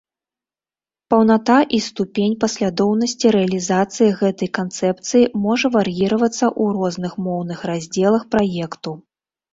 Паўната і ступень паслядоўнасці рэалізацыі гэтай канцэпцыі можа вар'іравацца ў розных моўных раздзелах праекту.